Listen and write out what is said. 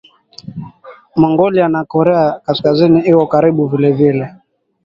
Mongolia na Korea ya Kaskazini Iko karibu vilevile